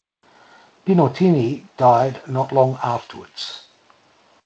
Pinottini died not too long afterwards.